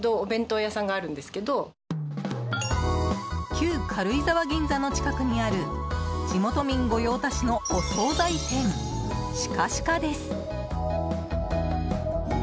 旧軽井沢銀座の近くにある地元民ご用達のお総菜店ｓｈｉｃａｓｈｉｃａです。